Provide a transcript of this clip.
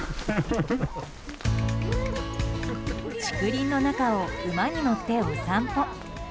竹林の中を馬に乗ってお散歩。